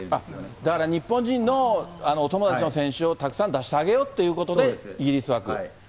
だから日本人のお友達の選手をたくさん出してあげようということで、イギリス枠。